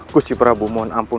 kusi prabu mohon ampun